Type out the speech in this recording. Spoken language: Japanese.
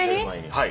はい。